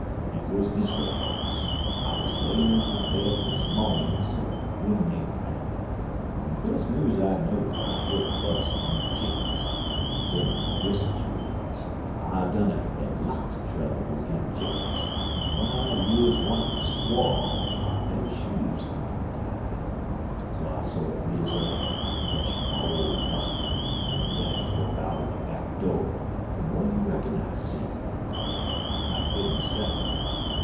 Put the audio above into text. "Hit wuz dis way, boss: I wuz layin' in my bed dis mawnin' sorter ruminatin' 'roun', when de fus news I know'd I year a fus' 'mong de chickens, an' den my brissels riz. I done had lots er trubble wid dem chickens, an' w'en I years wun un um squall my ve'y shoes comes ontied. So I des sorter riz up an' retch fer my ole muskit, and den I crope out er de back do', an' w'atter you reckin I seed?" "I couldn't say."